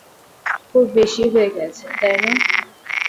খুব বেশি হয়ে গেছে, তাই না?